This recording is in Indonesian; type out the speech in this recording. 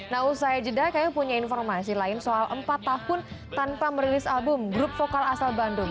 nah usai jeda kami punya informasi lain soal empat tahun tanpa merilis album grup vokal asal bandung